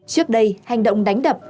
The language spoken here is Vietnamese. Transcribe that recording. trước đây hành động đánh đập